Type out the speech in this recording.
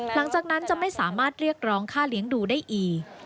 หลังจากนั้นจะไม่สามารถเรียกร้องค่าเลี้ยงดูได้อีก